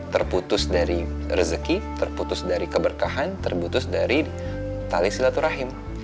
terputus dari rezeki terputus dari keberkahan terputus dari tali silaturahim